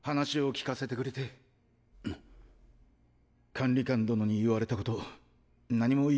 管理官殿に言われたこと何も言い返せないです。